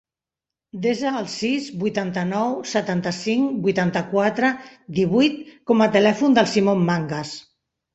Desa el sis, vuitanta-nou, setanta-cinc, vuitanta-quatre, divuit com a telèfon del Simon Mangas.